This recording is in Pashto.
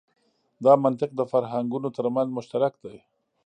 دا منطق د فرهنګونو تر منځ مشترک دی.